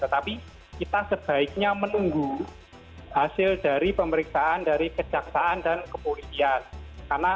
tetapi kita sebaiknya menunggu hasil dari pemeriksaan dari kejaksaan dan kepolisian